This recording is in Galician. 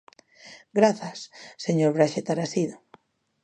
Grazas, señor Braxe Tarasido.